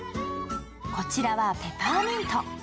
こちらはペパーミント。